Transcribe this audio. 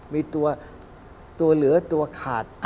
มีตัวเหลือตัวขาด